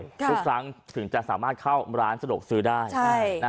ทุกครั้งถึงจะสามารถเข้าร้านสะดวกซื้อได้